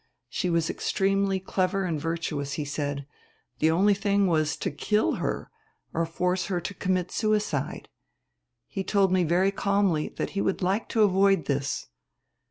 She was extremely clever and virtuous, he said. The other thing was to kill her or force her to commit suicide. He told me very calmly that he would like to avoid this.